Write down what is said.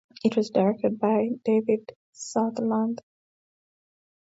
It was directed by David Sutherland.